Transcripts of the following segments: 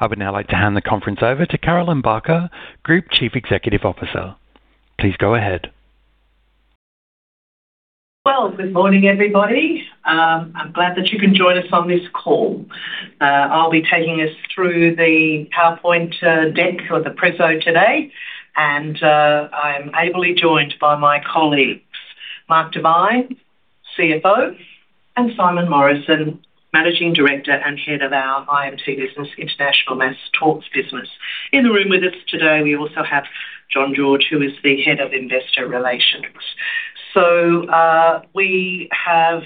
I would now like to hand the conference over to Carolyn Barker, Group Chief Executive Officer. Please go ahead. Well, good morning, everybody. I'm glad that you can join us on this call. I'll be taking us through the PowerPoint deck or the presentation today, I'm ably joined by my colleagues, Marc Devine, CFO, and Simon Morrison, Managing Director and Head of our IMT Business, International Mass Torts Business. In the room with us today, we also have John George, who is the Head of Investor Relations. We have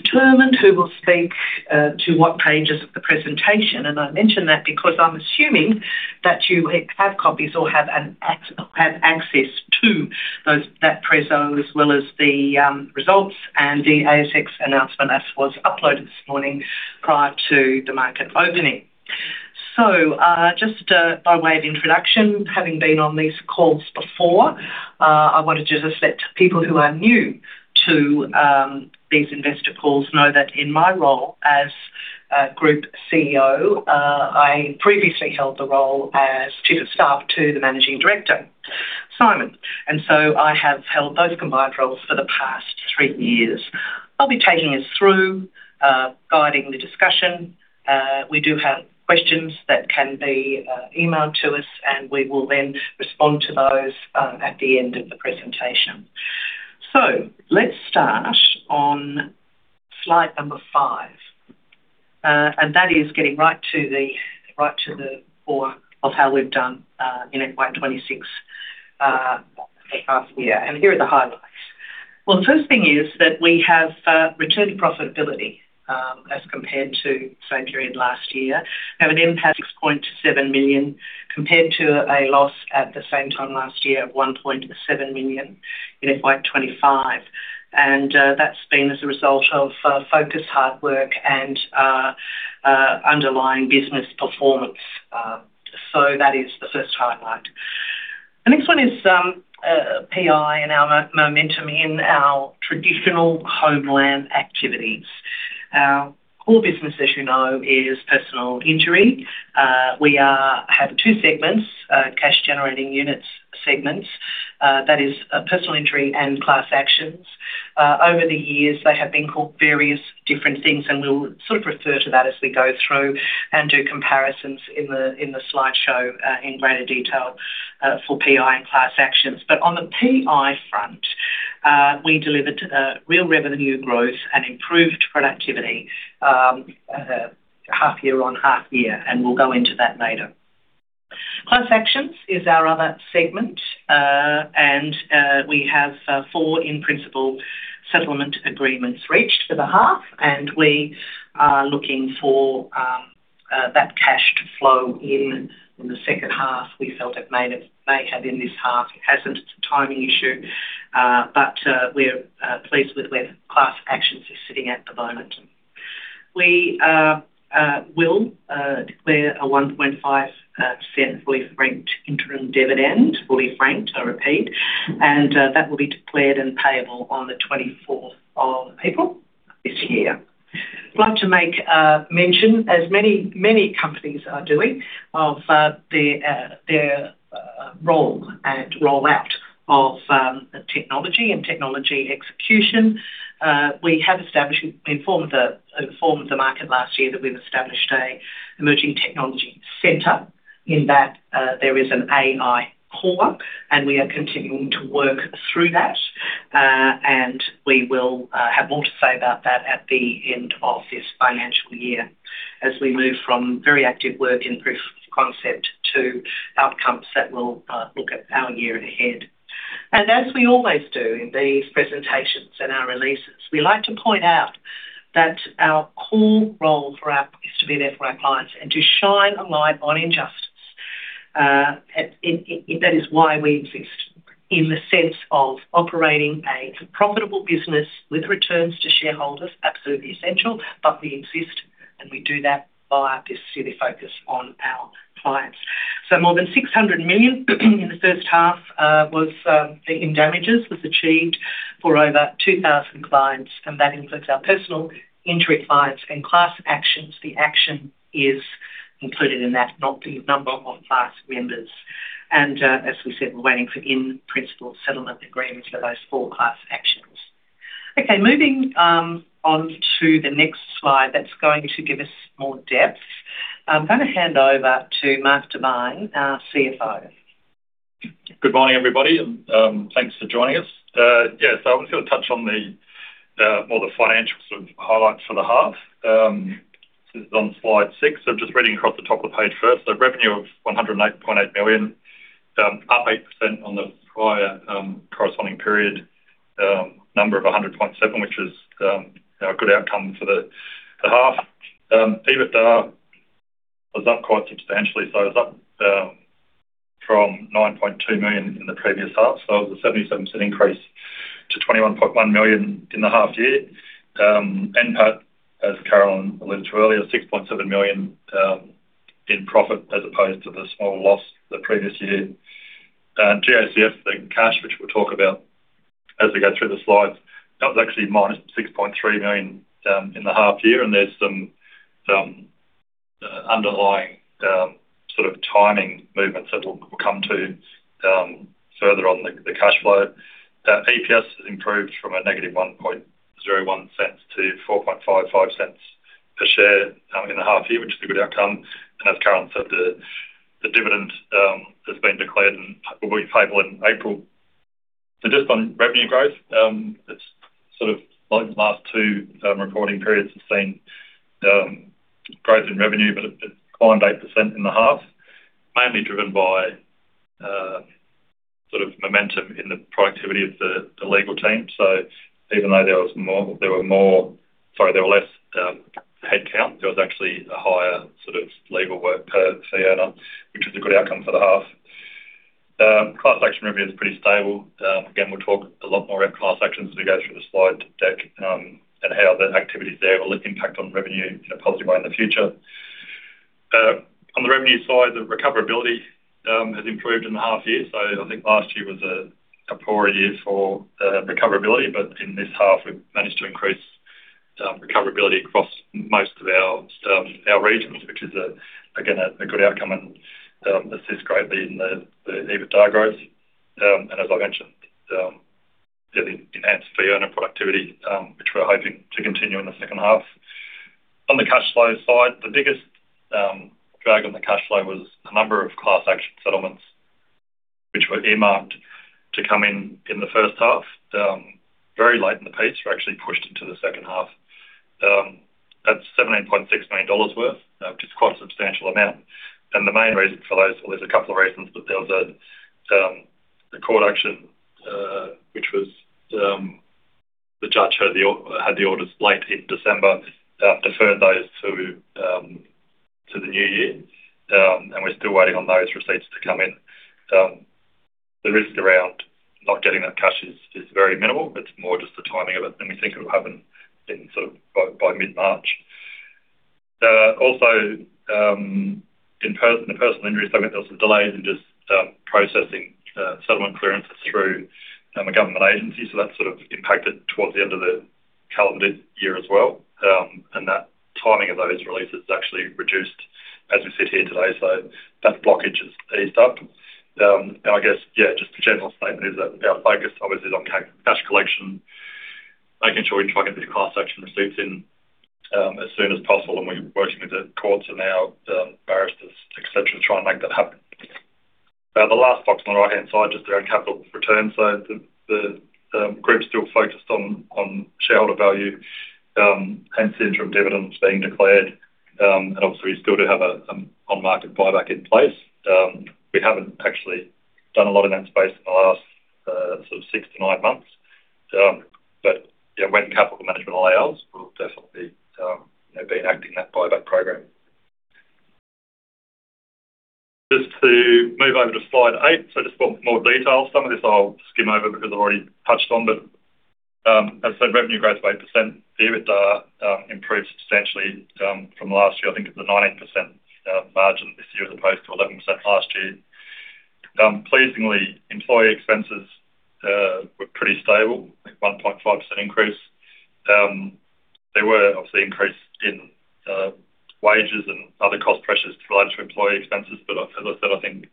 determined who will speak to what pages of the presentation, and I mention that because I'm assuming that you have copies or have access to those, that presentation, as well as the results and the ASX announcement as was uploaded this morning prior to the market opening. Just by way of introduction, having been on these calls before, I wanted just to let people who are new to these investor calls know that in my role as Group CEO, I previously held the role as chief of staff to the Managing Director, Simon, I have held those combined roles for the past three years. I'll be taking us through guiding the discussion. We do have questions that can be emailed to us, we will then respond to those at the end of the presentation. Let's start on slide number five. That is getting right to the core of how we've done in FY 26, the past year. Here are the highlights. The first thing is that we have returned profitability as compared to the same period last year. We have an NPAT 6.7 million, compared to a loss at the same time last year of 1.7 million in FY25, that's been as a result of focused hard work and underlying business performance. That is the first highlight. The next one is PI and our momentum in our traditional homeland activities. Our core business, as you know, is personal injury. We have two segments, cash-generating units segments. That is personal injury and class actions. Over the years, they have been called various different things, and we'll sort of refer to that as we go through and do comparisons in the slideshow, in greater detail, for PI and class actions. On the PI front, we delivered real revenue growth and improved productivity, half year on half year, and we'll go into that later. Class actions is our other segment, and we have four in-principle settlement agreements reached for the half, and we are looking for that cash to flow in in the second half. We felt it may have in this half. It hasn't. It's a timing issue, but we're pleased with where class actions is sitting at the moment. We will declare an 0.015 fully franked interim dividend, fully franked, I repeat, and that will be declared and payable on the 24th of April this year. I'd like to make mention, as many companies are doing, of their role and rollout of technology and technology execution. We have established, informed the market last year that we've established a emerging technology center. In that, there is an AI core, and we are continuing to work through that, and we will have more to say about that at the end of this financial year as we move from very active work in proof of concept to outcomes that will look at our year ahead. As we always do in these presentations and our releases, we like to point out that our core role is to be there for our clients and to shine a light on injustice. That is why we exist in the sense of operating a profitable business with returns to shareholders, absolutely essential, we exist and we do that by our specific focus on our clients. More than 600 million in the first half in damages, was achieved for over 2,000 clients, and that includes our personal injury clients and class actions. The action is included in that, not the number of class members. As we said, we're waiting for in-principle settlement agreements for those four class actions. Moving on to the next slide, that's going to give us more depth. I'm gonna hand over to Marc Devine, our CFO. Good morning, everybody. Thanks for joining us. I'm just gonna touch on the more the financial sort of highlights for the half. This is on slide six, just reading across the top of the page first. Revenue of 108.8 million, up 8% on the prior corresponding period, number of 100.7, which is a good outcome for the half. EBITDA was up quite substantially. It was up from 9.2 million in the previous half. It was a 77% increase to 21.1 million in the half year. NPAT, as Carolyn alluded to earlier, 6.7 million in profit as opposed to the small loss the previous year. GOCF, the cash, which we'll talk about... As we go through the slides, that was actually AUD- 6.3 million in the half year. There's some underlying sort of timing movements that we'll come to further on the cash flow. EPS has improved from a negative 0.0101 to 0.0455 per share in the half year, which is a good outcome. As Carolyn said, the dividend has been declared and will be payable in April. Just on revenue growth, it's sort of like the last two reporting periods have seen growth in revenue, but it climbed 8% in the half, mainly driven by sort of momentum in the productivity of the legal team. Even though there were more... Sorry, there were less headcount, there was actually a higher sort of legal work per fee earner, which is a good outcome for the half. Class action revenue is pretty stable. Again, we'll talk a lot more about class actions as we go through the slide deck, and how the activities there will impact on revenue in a positive way in the future. On the revenue side, the recoverability has improved in the half year. I think last year was a poorer year for recoverability, but in this half, we've managed to increase recoverability across most of our regions, which is again, a good outcome, and assists greatly in the EBITDA growth. As I mentioned, the enhanced fee earner productivity, which we're hoping to continue in the second half. On the cash flow side, the biggest drag on the cash flow was the number of class action settlements, which were earmarked to come in the first half, very late in the piece, were actually pushed into the second half. That's 17.6 million dollars worth, which is quite a substantial amount. The main reason for those, well, there's a couple of reasons, but there was a court action, which was, the judge had the orders late in December, deferred those to the new year. We're still waiting on those receipts to come in. The risk around not getting that cash is very minimal. It's more just the timing of it, and we think it will happen in sort of by mid-March. Also, personal injury segment, there was some delays in processing settlement clearances through a government agency. That sort of impacted towards the end of the calendar year as well. That timing of those releases is actually reduced as we sit here today. That blockage has eased up. I guess a general statement is that our focus obviously is on cash collection, making sure we try and get these class action receipts in as soon as possible, and we're working with the courts and our barristers, et cetera, to try and make that happen. The last box on the right-hand side, around capital returns. The group's still focused on shareholder value, hence the interim dividends being declared. Obviously, we still do have an on-market buyback in place. We haven't actually done a lot in that space in the last six to nine months. When capital management allows, we'll definitely be enacting that buyback program. Just to move over to slide eight. For more detail, some of this I'll skim over because I've already touched on. As I said, revenue growth of 8%, EBITDA improved substantially from last year. I think it's a 19% margin this year, as opposed to 11% last year. Pleasingly, employee expenses were pretty stable, like 1.5% increase. They were obviously increased in wages and other cost pressures related to employee expenses. As I said, I think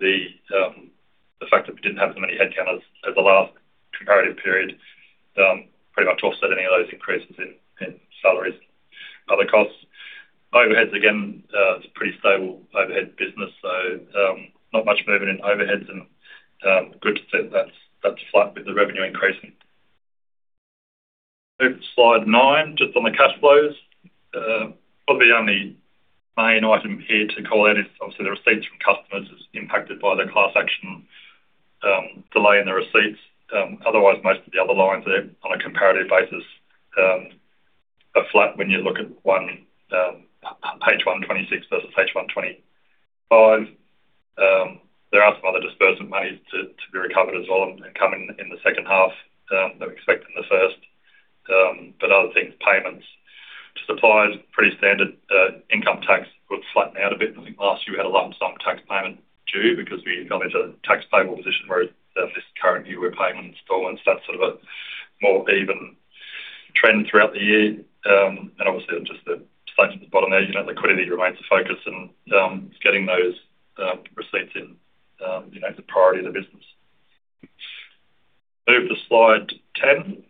the fact that we didn't have as many headcounts as the last comparative period pretty much offset any of those increases in salaries. Other costs, overheads, again, it's a pretty stable overhead business, not much movement in overheads, good to see that that's flat with the revenue increasing. Move to slide nine, just on the cash flows. Probably the only main item here to call out is, obviously, the receipts from customers is impacted by the class action delay in the receipts. Otherwise, most of the other lines there, on a comparative basis, are flat when you look at page 126 versus page 125. There are some other disbursement monies to be recovered as well and come in the second half that we expect in the first. Other things, payments to suppliers, pretty standard. Income tax would flatten out a bit. I think last year we had a lump sum tax payment due because we got into a tax payable position where at least currently we're paying installments. That's sort of a more even trend throughout the year. Obviously, just the statement at the bottom there, you know, liquidity remains a focus and getting those receipts in, you know, is a priority of the business. Move to slide 10.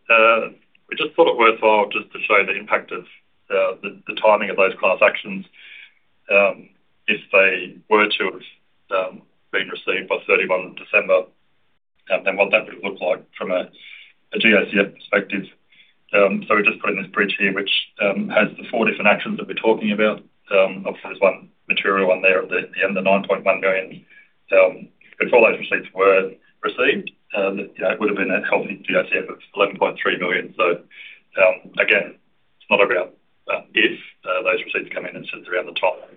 We just thought it worthwhile just to show the impact of the timing of those class actions. If they were to have been received by 31 December, then what that would look like from a GOCF perspective. We just put in this bridge here, which has the 4 different actions that we're talking about. Obviously, there's one material one there at the end, the 9.1 million. If all those receipts were received, you know, it would have been a healthy GOCF of 11.3 million. Again, it's not about if those receipts come in, it's just around the top.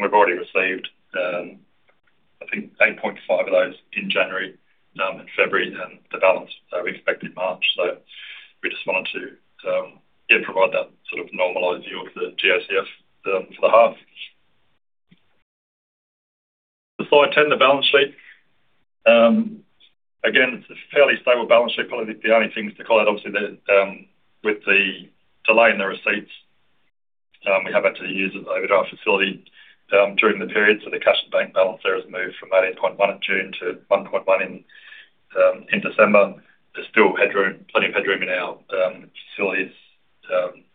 We've already received, I think, 8.5 of those in January and February, and the balance we expect in March. We just wanted to, yeah, provide that sort of normalized view of the GOCF for the half. The slide 10, the balance sheet. Again, it's a fairly stable balance sheet. Probably the only thing to call out, obviously, the with the delay in the receipts, we have had to use the overdraft facility during the period, so the cash and bank balance there has moved from 18.1 in June to 1.1 in December. There's still headroom, plenty of headroom in our facilities,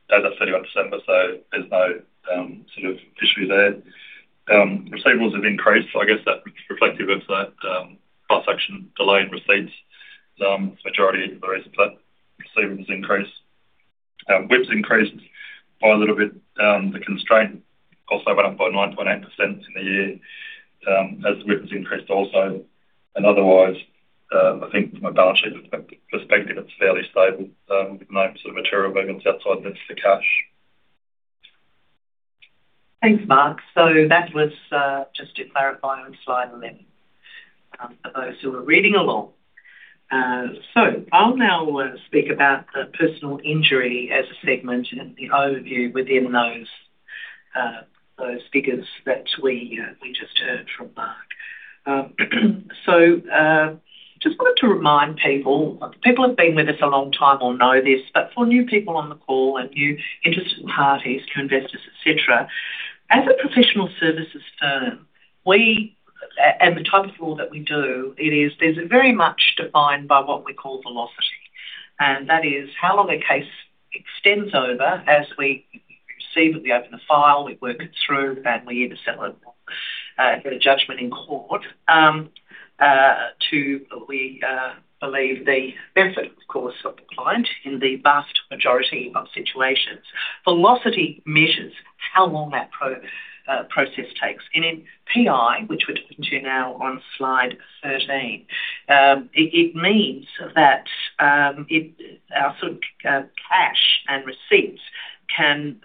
as I've said, about December, so there's no sort of issue there. Receivables have increased. I guess that's reflective of that cross-section delayed receipts, majority of the reason for that receivables increase. WIPs increased by a little bit. The constraint also went up by 9.8% in the year, as the WIP has increased also. Otherwise, I think from a balance sheet perspective, it's fairly stable, with no sort of material movements outside of next to cash. Thanks, Marc. That was just to clarify on slide 11, for those who are reading along. I'll now speak about the personal injury as a segment and the overview within those figures that we just heard from Marc. Just wanted to remind people who have been with us a long time will know this, but for new people on the call and new interested parties, to investors, et cetera. As a professional services firm, and the type of law that we do, it is, there's a very much defined by what we call velocity, and that is how long a case extends over as we receive it, we open a file, we work it through, and we either settle it or get a judgment in court. We believe the benefit, of course, of the client in the vast majority of situations. Velocity measures how long that process takes. In PI, which we're talking to now on slide 13, it means that our sort of cash and receipts can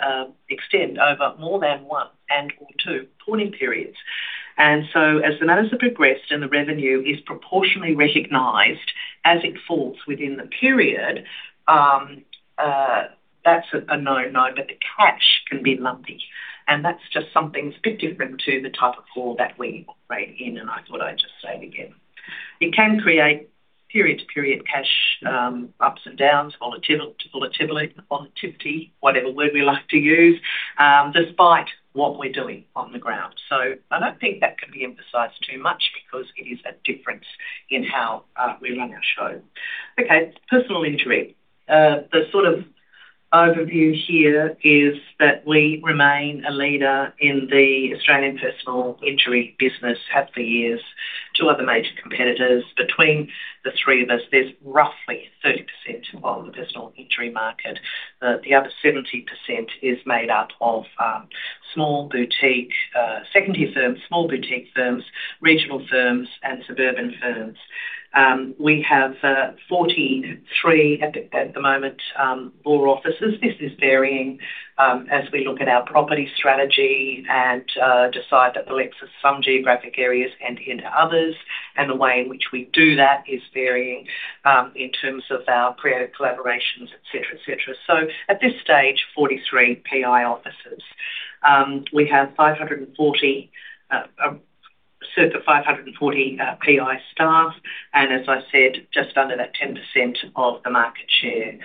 extend over more than one and/or two reporting periods. As the matters have progressed and the revenue is proportionally recognized as it falls within the period, that's a no-no, but the cash can be lumpy, and that's just something that's a bit different to the type of law that we operate in, and I thought I'd just say it again. It can create period to period cash, ups and downs, volatility, whatever word we like to use, despite what we're doing on the ground. I don't think that can be emphasized too much because it is a difference in how we run our show. Okay, personal injury. The sort of overview here is that we remain a leader in the Australian personal injury business, have for years. Two other major competitors. Between the three of us, there's roughly 30% of the personal injury market. The other 70% is made up of small boutique secondary firms, small boutique firms, regional firms, and suburban firms. We have 43 at the moment law offices. This is varying as we look at our property strategy and decide that the lengths of some geographic areas and into others, and the way in which we do that is varying in terms of our prior collaborations, et cetera, et cetera. At this stage, 43 PI offices. We have 540, circa 540 PI staff, and as I said, just under that 10% of the market share.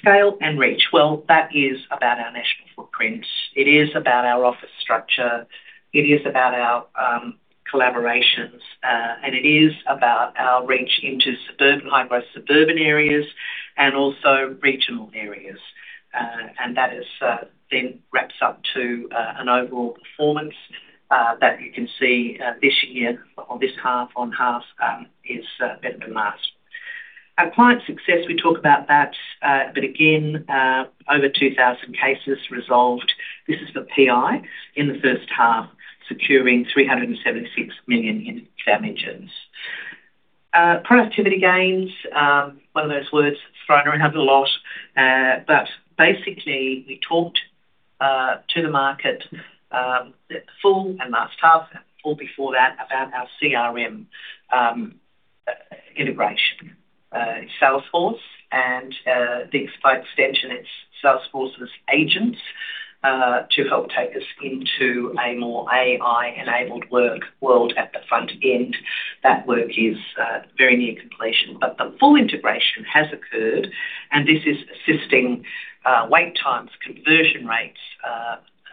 Scale and reach. That is about our national footprint. It is about our office structure, it is about our collaborations, and it is about our reach into suburban, high growth suburban areas and also regional areas. That is then wraps up to an overall performance that you can see this year or this half on half is better than last. Our client success, we talk about that, but again, over 2,000 cases resolved. This is for PI in the first half, securing 376 million in damages. Productivity gains, one of those words thrown around a lot, but basically, we talked to the market at the full and last half, full before that, about our CRM integration, Salesforce and the extension, its Salesforce's agents, to help take us into a more AI-enabled work world at the front end. That work is very near completion, but the full integration has occurred, and this is assisting wait times, conversion rates,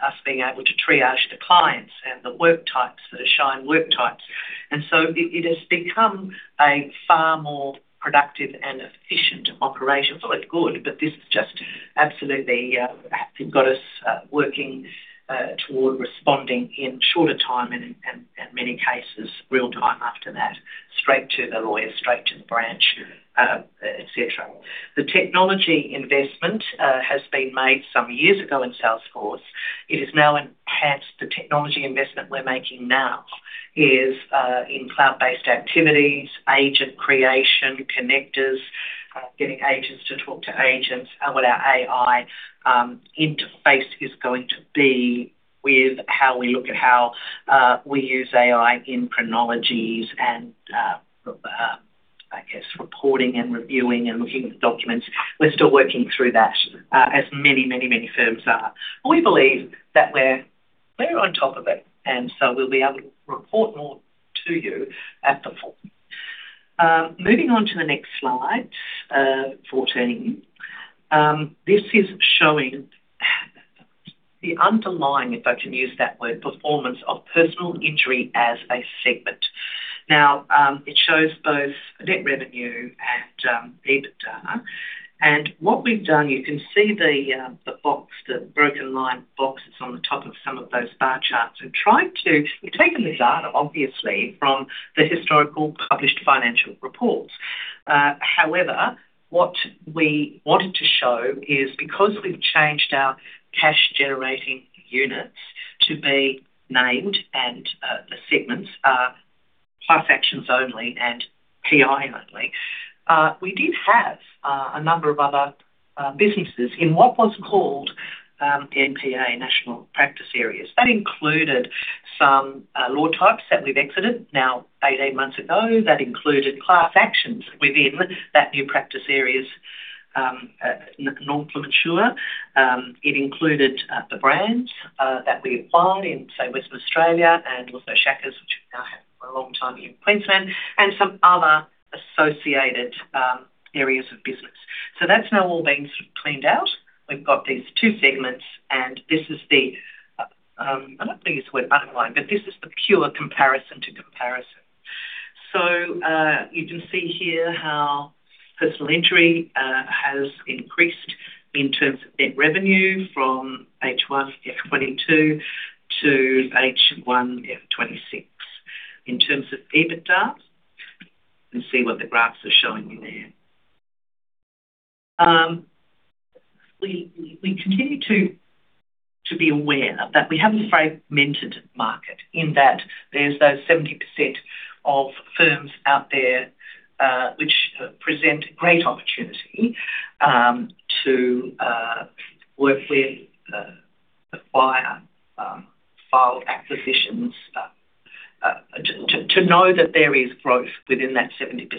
us being able to triage the clients and the work types, the Shine work types. It has become a far more productive and efficient operation. Well, it's good. This just absolutely has got us working toward responding in shorter time and many cases, real-time after that, straight to the lawyer, straight to the branch, et cetera. The technology investment has been made some years ago in Salesforce. It is now enhanced. The technology investment we're making now is in cloud-based activities, agent creation, connectors, getting agents to talk to agents, and what our AI interface is going to be with how we look at how we use AI in chronologies and reporting and reviewing and looking at the documents. We're still working through that as many firms are. We believe that we're on top of it, we'll be able to report more to you at the forum. Moving on to the next slide, 14. This is showing the underlying, if I can use that word, performance of personal injury as a segment. Now, it shows both net revenue and EBITDA. What we've done, you can see the box, the broken line box that's on the top of some of those bar charts. We've taken this data, obviously, from the historical published financial reports. However, what we wanted to show is because we've changed our cash-generating units to be named and the segments are class actions only and PI only. We did have a number of other businesses in what was called NPA, National Practice Areas. That included some law types that we've exited now 18 months ago. That included class actions within that new practice areas, nomenclature. It included the brand that we applied in, say, West Australia and also Sciacca's, which we've now had for a long time in Queensland, and some other associated areas of business. That's now all been sort of cleaned out. We've got these two segments. This is the, I don't think it's the word underlying, but this is the pure comparison to comparison. You can see here how personal injury has increased in terms of net revenue from H1F22 to H1F26. In terms of EBITDA, you can see what the graphs are showing you there. We continue to be aware that we have a fragmented market, in that there's those 70% of firms out there, which present great opportunity to work with, acquire, file acquisitions. To know that there is growth within that 70%.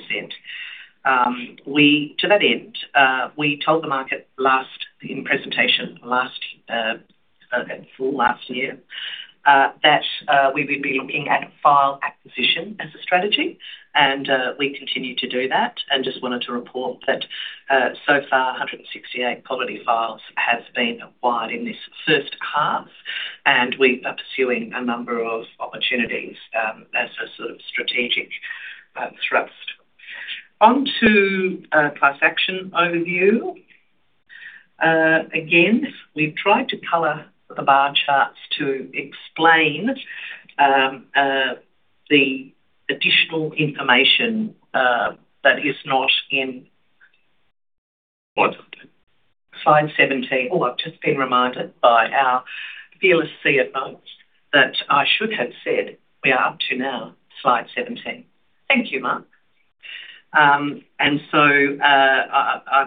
To that end, we told the market last, in presentation last, full last year, that we would be looking at file acquisition as a strategy, we continue to do that. Just wanted to report that so far, 168 quality files has been acquired in this first half, we are pursuing a number of opportunities as a sort of strategic thrust. On to class action overview. Again, we've tried to color the bar charts to explain the additional information that is not in- slide 17. I've just been reminded by our DLC advisor that I should have said we are up to now slide 17. Thank you, Marc.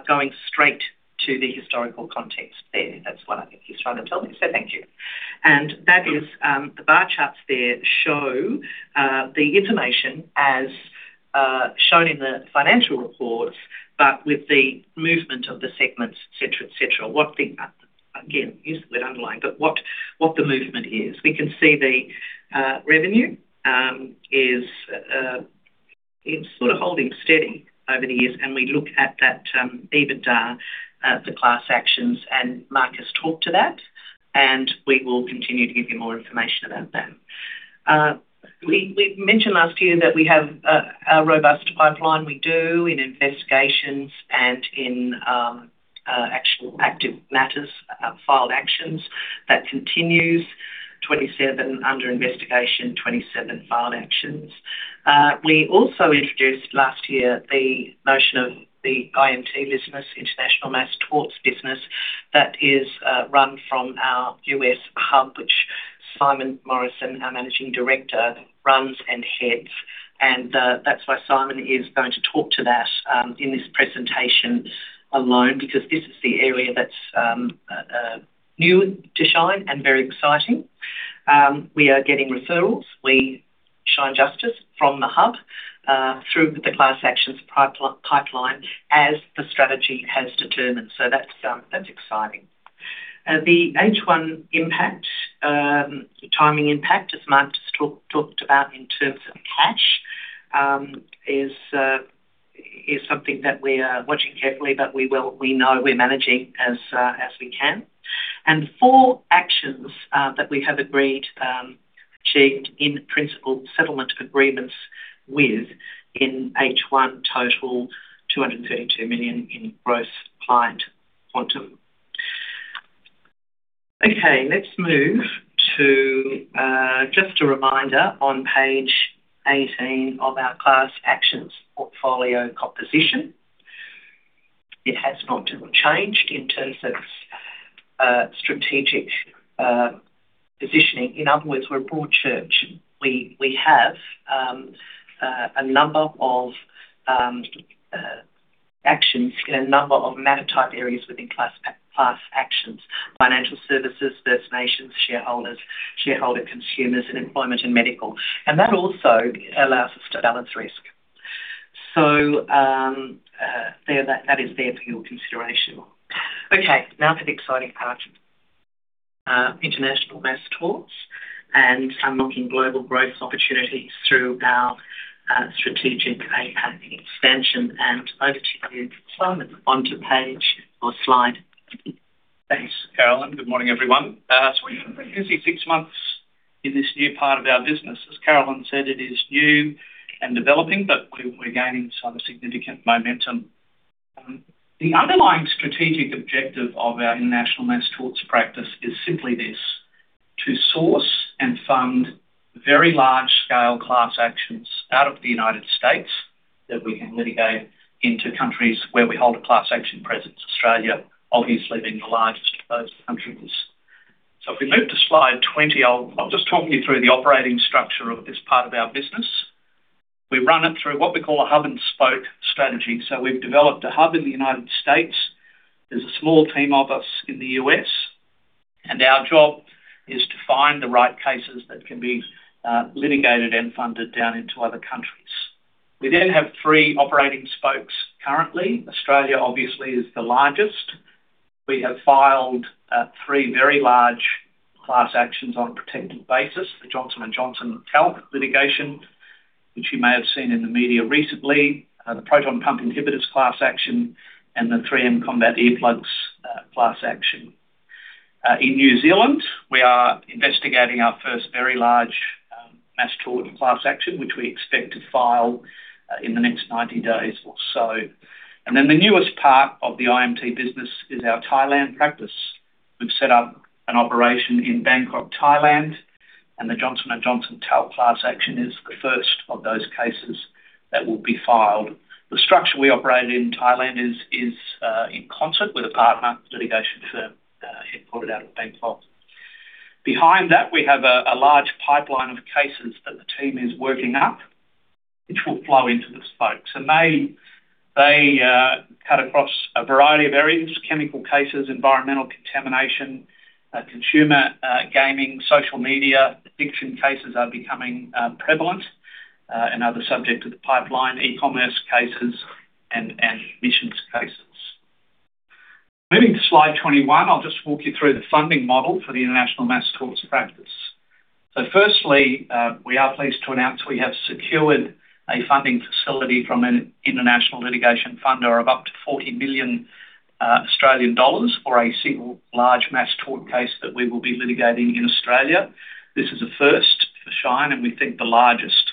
Going straight to the historical context there, that's what I think he's trying to tell me, so thank you. That is, the bar charts there show the information as shown in the financial reports, but with the movement of the segments, et cetera, et cetera. What the again, use the word underlying, but what the movement is. We can see the revenue is it's sort of holding steady over the years, and we look at that EBITDA, the class actions, and Mark has talked to that, and we will continue to give you more information about that. We mentioned last year that we have a robust pipeline. We do, in investigations and in actual active matters, filed actions. That continues, 27 under investigation, 27 filed actions. We also introduced last year the notion of the IMT business, International Mass Torts business, that is, run from our U.S. hub, which Simon Morrison, our Managing Director, runs and heads. That's why Simon is going to talk to that in this presentation alone, because this is the area that's new to Shine and very exciting. We are getting referrals. Shine Justice from the hub, through the class actions pipeline, as the strategy has determined. That's, that's exciting. The H1 impact, timing impact, as Marc just talked about in terms of cash, is something that we are watching carefully, but we know we're managing as we can. 4 actions that we have agreed, achieved in principle, settlement agreements with in H1, total 232 million in gross client quantum. Let's move to just a reminder on page 18 of our class actions portfolio composition. It has not changed in terms of strategic positioning. In other words, we're a broad church. We have a number of actions in a number of matter type areas within class actions, financial services, First Nations, shareholders, shareholder consumers, and employment and medical. That also allows us to balance risk. That is there for your consideration. Now for the exciting part, international mass torts and unlocking global growth opportunities through our strategic AP expansion. Over to you, Simon, onto page or slide. Thanks, Carolyn. Good morning, everyone. We've had a pretty busy six months in this new part of our business. As Carolyn said, it is new and developing, but we're gaining some significant momentum. The underlying strategic objective of our international mass torts practice is simply this: to source and fund very large-scale class actions out of the United States that we can litigate into countries where we hold a class action presence. Australia, obviously, being the largest of those countries. If we move to slide 20, I'll just talk you through the operating structure of this part of our business. We run it through what we call a hub-and-spoke strategy. We've developed a hub in the United States. There's a small team of us in the US, and our job is to find the right cases that can be litigated and funded down into other countries. We have 3 operating spokes currently. Australia, obviously, is the largest. We have filed 3 very large class actions on a protected basis, the Johnson & Johnson talc litigation, which you may have seen in the media recently, the Proton Pump Inhibitors class action, and the 3M Combat Earplugs class action. In New Zealand, we are investigating our first very large mass tort class action, which we expect to file in the next 90 days or so. The newest part of the IMT business is our Thailand practice. We've set up an operation in Bangkok, Thailand. The Johnson & Johnson talc class action is the first of those cases that will be filed. The structure we operate in Thailand is in concert with a partner litigation firm headquartered out of Bangkok. Behind that, we have a large pipeline of cases that the team is working up, which will flow into the spokes. They cut across a variety of areas, chemical cases, environmental contamination, consumer, gaming, social media. Addiction cases are becoming prevalent and are the subject of the pipeline, e-commerce cases, and emissions cases. Moving to slide 21, I'll just walk you through the funding model for the international mass torts practice. Firstly, we are pleased to announce we have secured a funding facility from an international litigation funder of up to 40 million Australian dollars for a single large mass tort case that we will be litigating in Australia. This is a first for Shine, and we think the largest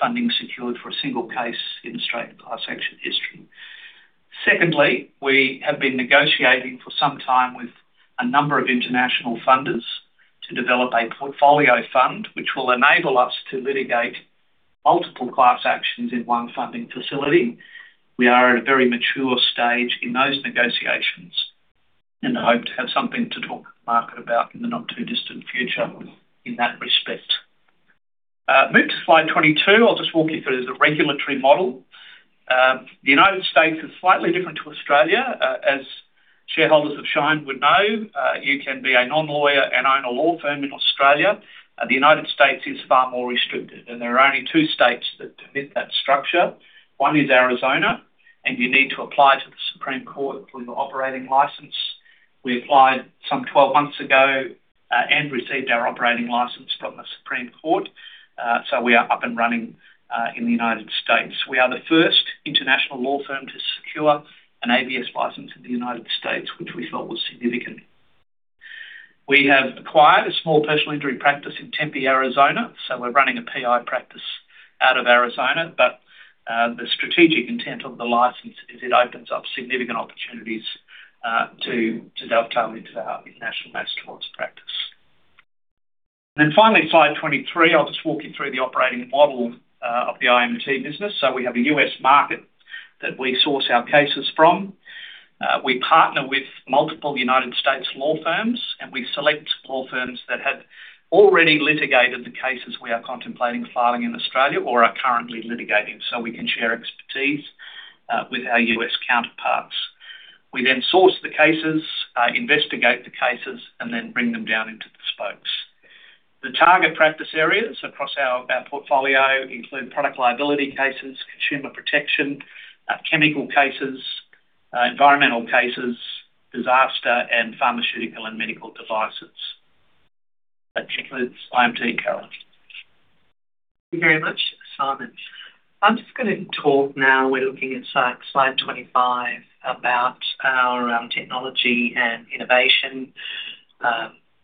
funding secured for a single case in Australian class action history. Secondly, we have been negotiating for some time with a number of international funders to develop a portfolio fund, which will enable us to litigate multiple class actions in one funding facility. We are at a very mature stage in those negotiations and hope to have something to talk to the market about in the not-too-distant future in that respect. Move to slide 22. I'll just walk you through the regulatory model. The United States is slightly different to Australia. As shareholders of Shine would know, you can be a non-lawyer and own a law firm in Australia. The United States is far more restricted. There are only two states that permit that structure. One is Arizona, and you need to apply to the Supreme Court for your operating license. We applied some 12 months ago and received our operating license from the Supreme Court. We are up and running in the United States. We are the first international law firm to secure an ABS license in the United States, which we thought was significant. We have acquired a small personal injury practice in Tempe, Arizona, so we're running a PI practice out of Arizona, the strategic intent of the license is it opens up significant opportunities to dovetail into our international mass torts practice. Finally, slide 23. I'll just walk you through the operating model of the IMT business. We have a US market that we source our cases from. We partner with multiple United States law firms, and we select law firms that have already litigated the cases we are contemplating filing in Australia or are currently litigating, so we can share expertise with our US counterparts. We source the cases, investigate the cases, bring them down into the spokes. The target practice areas across our portfolio include product liability cases, consumer protection, chemical cases, environmental cases, disaster, and pharmaceutical and medical devices. That concludes IMT. Carolyn? Thank you very much, Simon. I'm just going to talk now, we're looking at slide 25, about our technology and innovation.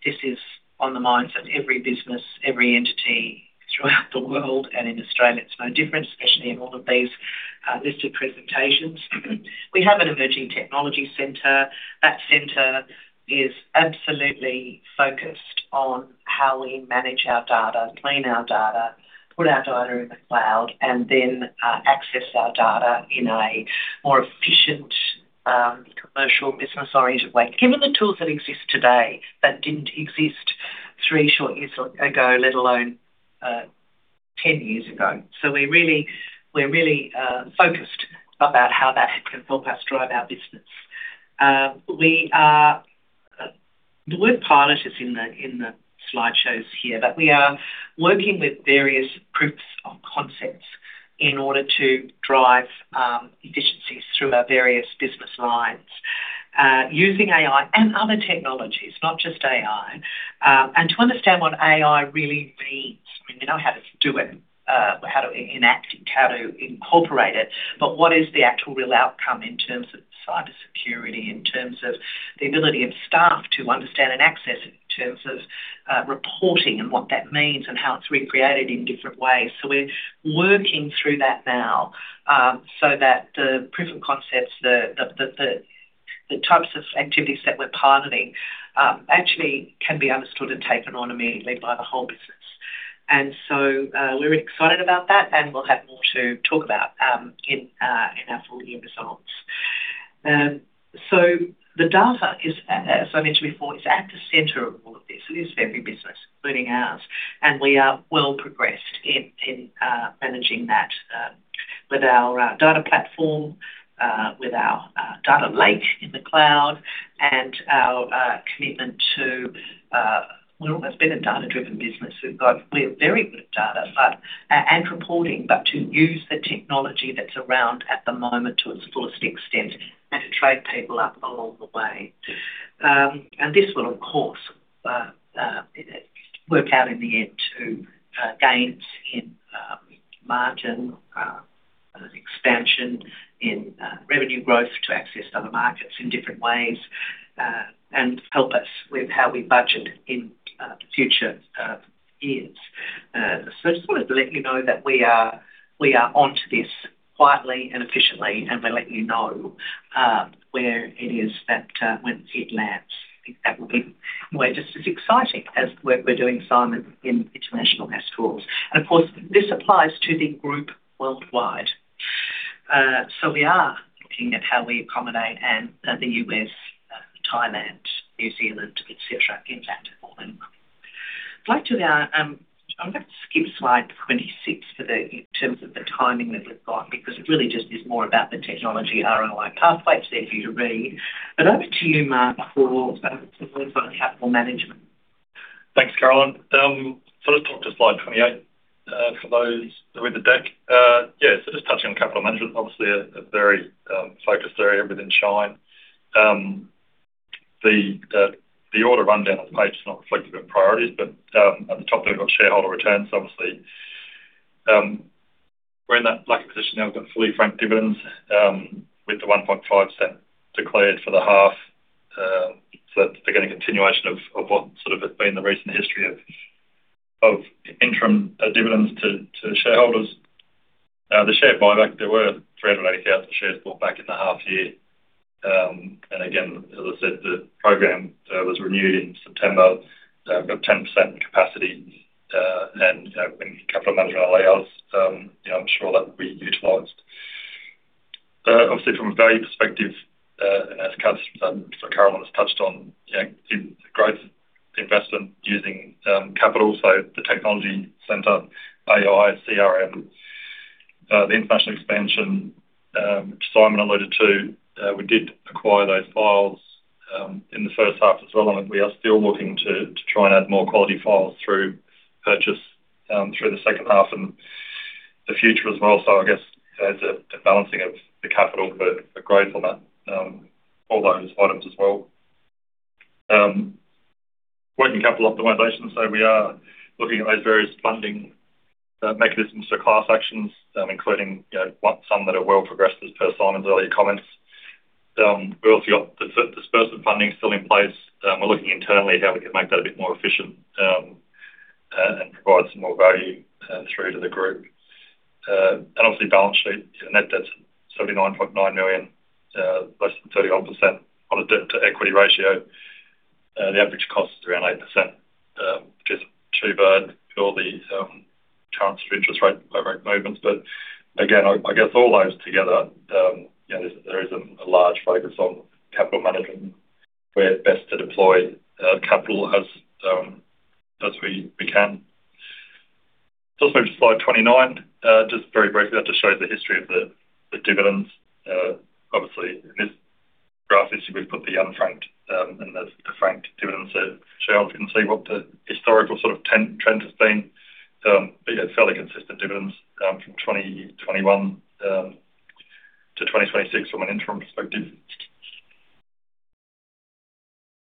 This is on the minds of every business, every entity throughout the world, and in Australia, it's no different, especially in all of these listed presentations. We have an emerging technology center. That center is absolutely focused on how we manage our data, clean our data, put our data in the cloud, and then access our data in a more efficient, commercial business-oriented way. Given the tools that exist today, that didn't exist three short years ago, let alone 10 years ago. We're really focused about how that can help us drive our business. We are, the word pilot is in the, in the slideshows here, but we are working with various proofs of concepts in order to drive efficiencies through our various business lines, using AI and other technologies, not just AI. To understand what AI really means, we know how to do it, how to enact it, how to incorporate it, but what is the actual real outcome in terms of cybersecurity, in terms of the ability of staff to understand and access it, in terms of reporting and what that means and how it's recreated in different ways? We're working through that now, so that the proof of concepts, the types of activities that we're piloting, actually can be understood and taken on immediately by the whole business. We're excited about that, and we'll have more to talk about, in our full year results. The data is, as I mentioned before, is at the center of all of this. It is every business, including ours, and we are well progressed in managing that, with our data platform, with our data lake in the cloud, and our commitment to... We've almost been a data-driven business. We're very good at data, but, and reporting, but to use the technology that's around at the moment to its fullest extent and to train people up along the way. This will, of course, work out in the end to gains in margin expansion in revenue growth to access other markets in different ways and help us with how we budget in future years. I just wanted to let you know that we are on to this quietly and efficiently, and we'll let you know where it is that when it lands, that will be way just as exciting as the work we're doing, Simon, in international mass torts. Of course, this applies to the group worldwide. We are looking at how we accommodate and the U.S., Thailand, New Zealand, et cetera, in that format. I'd like to now, I'm going to skip slide 26 in terms of the timing that we've got, because it really just is more about the technology, ROI pathway. It's there for you to read. Over to you, Marc, for some info on capital management. Thanks, Carolyn. Let's talk to slide 28 for those with the deck. Just touching on capital management, obviously a very focused area within Shine. The order rundown of the page is not reflective of priorities. At the top there, we've got shareholder returns, obviously. We're in that lucky position now. We've got fully franked dividends with the 0.015 declared for the half. That's again a continuation of what sort of has been the recent history of interim dividends to shareholders. The share buyback, there were 380,000 shares bought back in the half year. Again, as I said, the program was renewed in September. We've got 10% in capacity, when capital management allows, I'm sure that will be utilized. From a value perspective, as Carolyn has touched on, in growth, investment using capital, so the technology center, AI, CRM, the international expansion, which Simon alluded to, we did acquire those files in the first half as well, and we are still looking to try and add more quality files through purchase through the second half and the future as well. I guess there's a balancing of the capital, but a grade on that, all those items as well. Working capital optimization, we are looking at those various funding mechanisms for class actions, including some that are well progressed, as per Simon's earlier comments. We've also got disbursement funding still in place. We're looking internally at how we can make that a bit more efficient and provide some more value through to the group. Obviously, balance sheet, net debt's 39.9 million, less than 31% on a debt to equity ratio. The average cost is around 8%, which is too bad for all the current interest rate movements. Again, I guess all those together, you know, there is a large focus on capital management where best to deploy capital as we can. Let's go to slide 29. Just very briefly, that just shows the history of the dividends. Obviously, in this graph, we've put the unfranked and the franked dividends, so shareholders can see what the historical sort of trend has been. Yeah, fairly consistent dividends from 2021 to 2026 from an interim perspective.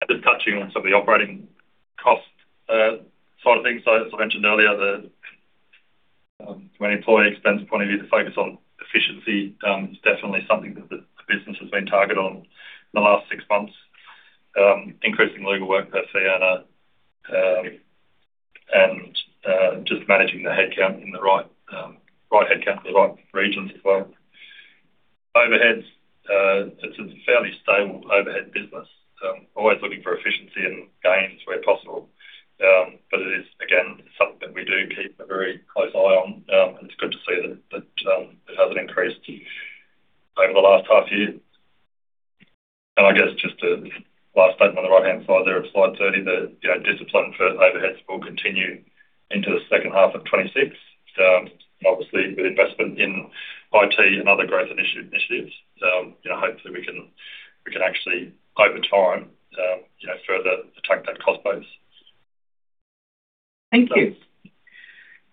Just touching on some of the operating costs sort of things. As I mentioned earlier, the employee expense point of view, the focus on efficiency is definitely something that the business has been targeted on in the last six months. Increasing legal work per fee earner, and just managing the headcount in the right headcount in the right regions as well. Overheads, it's a fairly stable overhead business. Always looking for efficiency and gains where possible. It is, again, something that we do keep a very close eye on, and it's good to see that it hasn't increased over the last half year. I guess just a last statement on the right-hand side there of slide 30, that, you know, discipline for overheads will continue into the second half of 2026. Obviously, with investment in IT and other growth initiatives. You know, hopefully we can actually over time, you know, further attack that cost base. Thank you.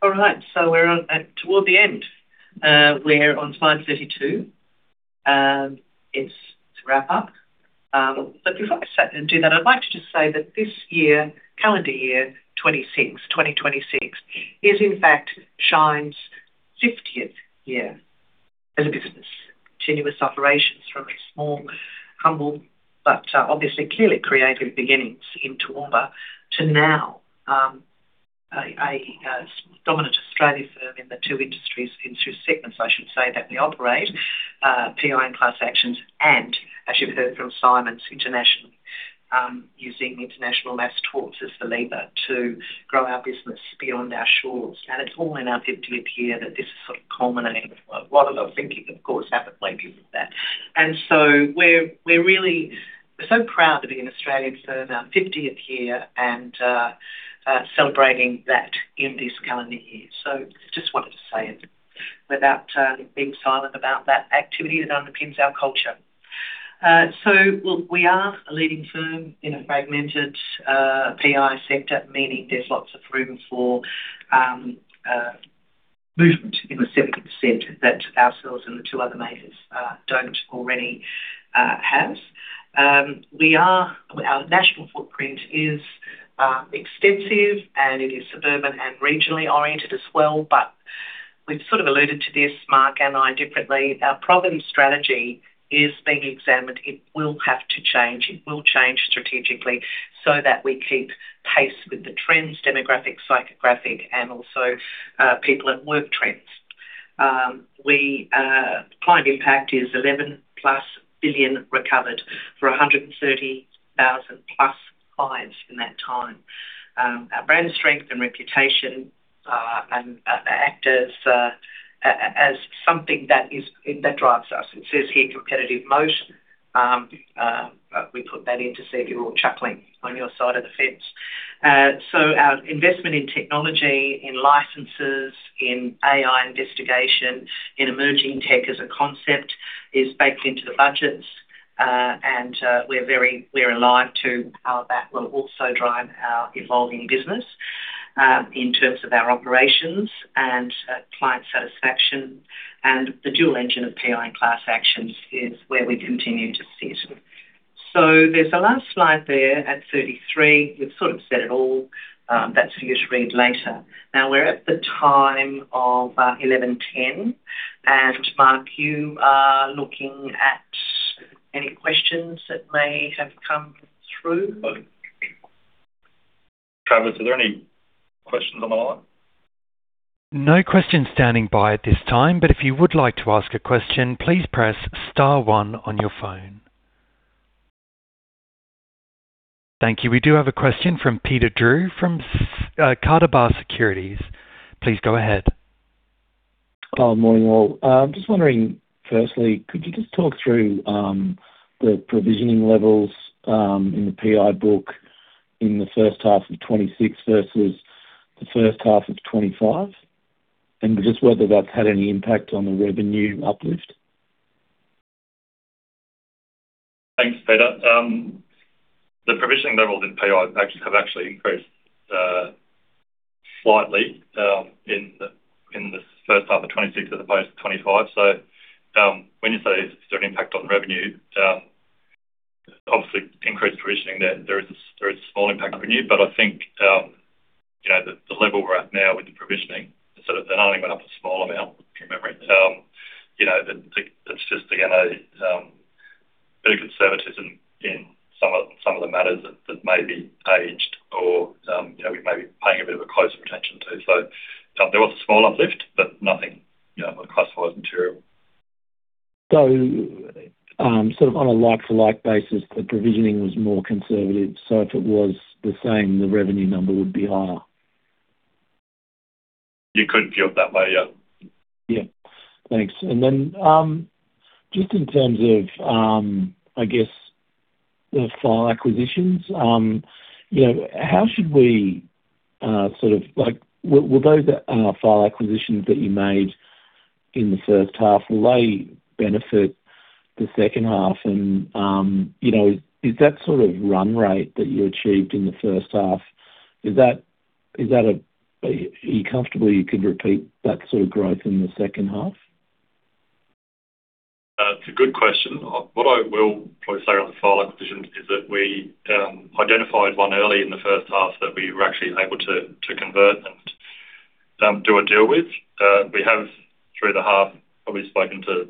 All right, so we're on toward the end. We're on slide 32, it's to wrap up. Before I sit and do that, I'd like to just say that this year, calendar year 26, 2026, is in fact, Shine's 50th year as a business. Continuous operations from a small, humble, but obviously clearly creative beginnings in Toowoomba, to now, a dominant Australian firm in the two industries, in two segments, I should say, that we operate, PI and class actions. As you've heard from Simons International, using international mass torts as the lever to grow our business beyond our shores. It's all in our 50th year that this is sort of culminating. A lot of thinking, of course, happily with that. We're so proud to be an Australian firm in our 50th year and celebrating that in this calendar year. Just wanted to say it without being silent about that activity that underpins our culture. We are a leading firm in a fragmented PI sector, meaning there's lots of room for movement in the 70% that ourselves and the two other majors don't already have. Our national footprint is extensive, and it is suburban and regionally oriented as well. We've sort of alluded to this, Marc and I, differently. Our province strategy is being examined. It will have to change. It will change strategically so that we keep pace with the trends, demographic, psychographic, and also people at work trends. We, client impact is 11+ billion recovered for 130,000+ clients in that time. Our brand strength and reputation, and act as something that is, that drives us. It says here, competitive motion. We put that in to see if you're all chuckling on your side of the fence. Our investment in technology, in licenses, in AI investigation, in emerging tech as a concept, is baked into the budgets. We're alive to how that will also drive our evolving business, in terms of our operations and client satisfaction. The dual engine of PI and class actions is where we continue to sit. There's a last slide there at 33. We've sort of said it all. That's for you to read later. We're at the time of 11:10 A.M., and Marc, you are looking at any questions that may have come through? Travis, are there any questions on the line? No questions standing by at this time, but if you would like to ask a question, please press star one on your phone. Thank you. We do have a question from Peter Drew, from Canaccord Genuity. Please go ahead. Oh, morning, all. Just wondering, firstly, could you just talk through the provisioning levels in the PI book in the first half of 2026 versus the first half of 2025? Just whether that's had any impact on the revenue uplift. Thanks, Peter. The provisioning levels in PI actually have actually increased slightly in the first half of 2026 as opposed to 2025. When you say, is there an impact on revenue? Obviously, increased provisioning, there is a small impact on revenue, but I think, you know, the level we're at now with the provisioning, so that they've only went up a small amount, in memory. You know, that, it's just, again, a bit of conservatism in some of the matters that may be aged or, you know, we may be paying a bit of a closer attention to. There was a small uplift, but nothing, you know, I'd classify as material. Sort of on a like-for-like basis, the provisioning was more conservative. If it was the same, the revenue number would be higher? You could view it that way, yeah. Thanks. Just in terms of, I guess, the file acquisitions, you know, how should we, sort of like... Well, those, file acquisitions that you made in the first half, will they benefit the second half? You know, is that sort of run rate that you achieved in the first half, is that a- are you comfortable you could repeat that sort of growth in the second half? It's a good question. What I will probably say on the file acquisitions is that we identified one early in the first half that we were actually able to convert and do a deal with. We have, through the half, probably spoken to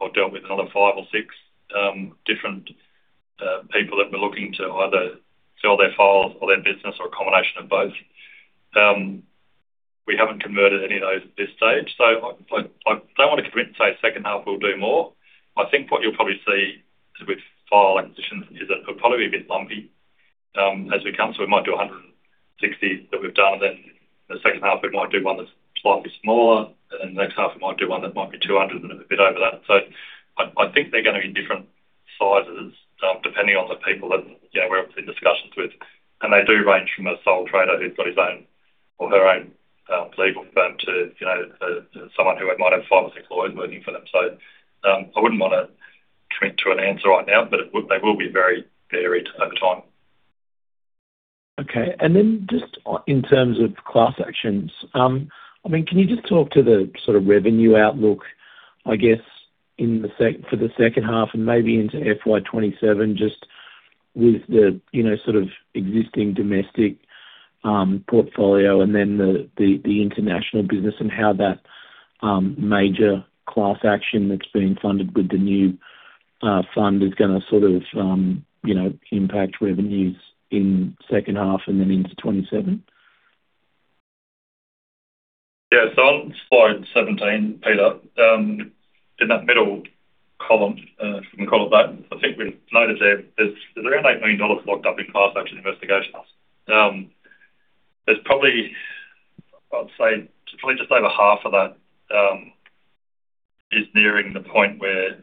or dealt with another five or six different people that were looking to either sell their files or their business, or a combination of both. We haven't converted any of those at this stage, so I don't want to commit and say second half we'll do more. I think what you'll probably see with file acquisitions is that it'll probably be a bit lumpy. 60 that we've done, and then the second half, we might do one that's slightly smaller, and then the next half, we might do one that might be 200 and a bit over that. I think they're going to be different sizes, depending on the people that, you know, we're in discussions with. They do range from a sole trader who's got his own or her own legal firm to, you know, someone who might have 5 or 6 lawyers working for them. I wouldn't want to commit to an answer right now, but they will be very varied over time. Okay. Just on, in terms of class actions, I mean, can you just talk to the sort of revenue outlook, I guess, for the second half and maybe into FY 2027, just with the, you know, sort of existing domestic portfolio and then the international business and how that major class action that's been funded with the new fund is gonna sort of, you know, impact revenues in second half and then into 2027? On slide 17, Peter, in that middle column, we can call it that. I think we've noted there's around 8 million dollars locked up in class action investigations. There's probably, I'd say, probably just over half of that is nearing the point where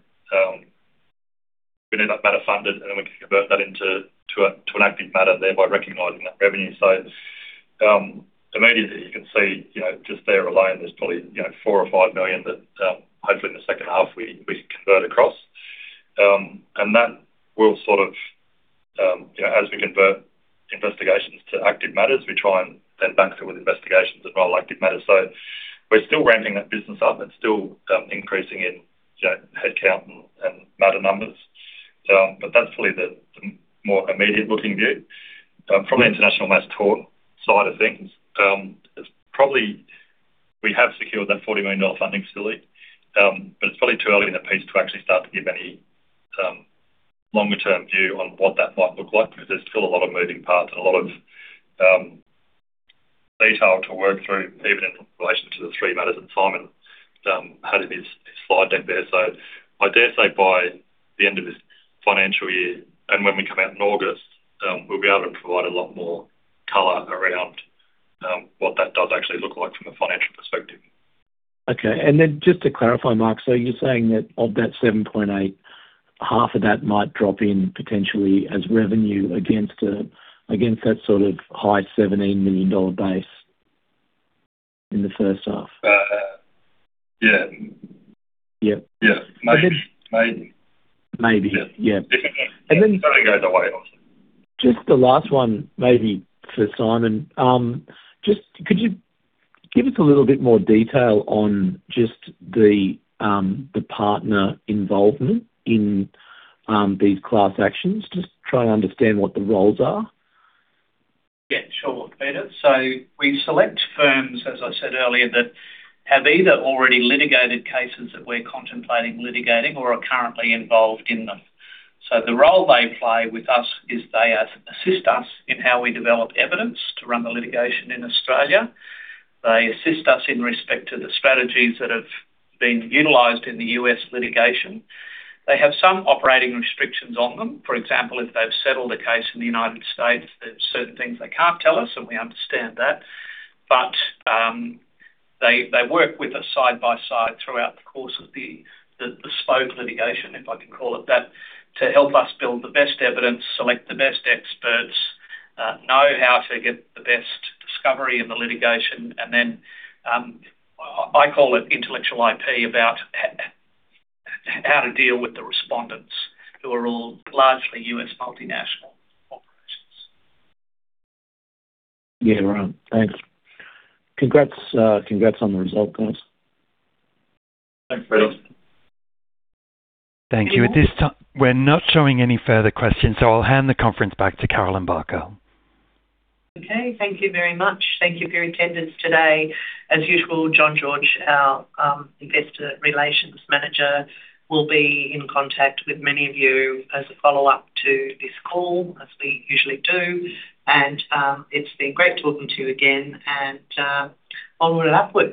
we need that matter funded, and then we can convert that into an active matter, thereby recognizing that revenue. Immediately, you can see, you know, just there alone, there's probably, you know, 4 million or 5 million that hopefully in the second half, we convert across. That will sort of, you know, as we convert investigations to active matters, we try and then bank them with investigations as well, active matters. We're still ramping that business up and still increasing in, you know, headcount and matter numbers. That's really the more immediate looking view. From the international mass tort side of things, we have secured that 40 million dollar funding facility, but it's probably too early in the piece to actually start to give any longer-term view on what that might look like because there's still a lot of moving parts and a lot of detail to work through, even in relation to the three matters that Simon had in his slide deck there. I dare say by the end of this financial year, and when we come out in August, we'll be able to provide a lot more color around what that does actually look like from a financial perspective. Okay. Just to clarify, Marc, you're saying that of that 7.8, half of that might drop in potentially as revenue against that sort of high 17 million dollar base in the first half? Yeah. Yeah. Yeah. Maybe. Maybe. Yeah. Yeah. It's gonna go the way often. Just the last one, maybe for Simon. Just could you give us a little bit more detail on just the partner involvement in these class actions? Just try and understand what the roles are. Sure, Peter. We select firms, as I said earlier, that have either already litigated cases that we're contemplating litigating or are currently involved in them. The role they play with us is they assist us in how we develop evidence to run the litigation in Australia. They assist us in respect to the strategies that have been utilized in the US litigation. They have some operating restrictions on them. For example, if they've settled a case in the United States, there are certain things they can't tell us, and we understand that. They work with us side by side throughout the course of the bespoke litigation, if I can call it that, to help us build the best evidence, select the best experts, know how to get the best discovery in the litigation, and then I call it intellectual IP about how to deal with the respondents, who are all largely US multinational operations. Yeah, right. Thanks. Congrats, congrats on the result, guys. Thanks, Peter. Thank you. At this time, we're not showing any further questions, so I'll hand the conference back to Carolyn Barker. Okay, thank you very much. Thank you for your attendance today. As usual, John George, our investor relations manager, will be in contact with many of you as a follow-up to this call, as we usually do. It's been great talking to you again, I'll wrap it up with-